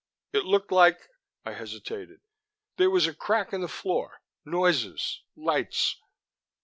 "It looked like ..." I hesitated. "There was a crack in the floor, noises, lights...."